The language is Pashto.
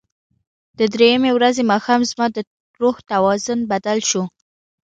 د درېیمې ورځې ماښام زما د روح توازن بدل شو.